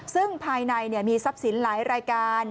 ซึ่งภายในมีทรัพย์สินหลายรายการ